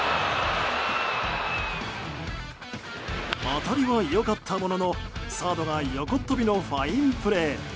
当たりは良かったもののサードが横っ飛びのファインプレー。